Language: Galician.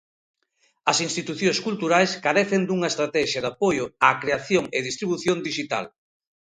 As institucións culturais carecen dunha estratexia de apoio á creación e distribución dixital.